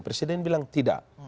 presiden bilang tidak